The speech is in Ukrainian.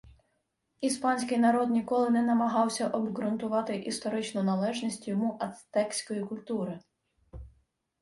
Іспанський народ ніколи не намагався обҐрунтувати історичну належність йому ацтекської культури